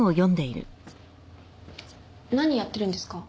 何やってるんですか？